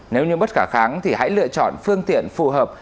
nếu như bất khả kháng thì hãy lựa chọn phương tiện phù hợp